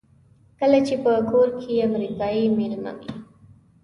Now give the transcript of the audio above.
کله چې په کور کې امریکایی مېلمه وي.